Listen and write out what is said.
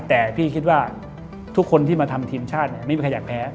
แต่พี่คิดว่าทุกคนที่มาทำทีมชาติไม่มีใครอยากแพ้